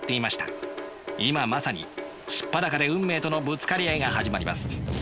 今まさに素っ裸で運命とのぶつかり合いが始まります。